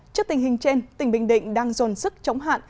trước tình hình trên tỉnh bình định đang dồn sức chống hạn